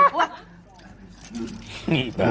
กูไม่กลัว